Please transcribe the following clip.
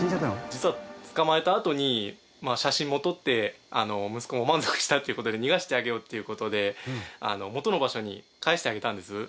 実は捕まえたあとに写真も撮って息子も満足したっていう事で逃がしてあげようっていう事で元の場所に返してあげたんです。